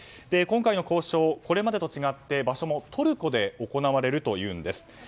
今回の交渉、これまでと違って場所もトルコで行われるというのです。